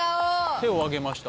手を上げました。